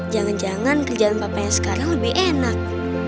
jangan jangan kerjaan papa yang sekarang lebih enak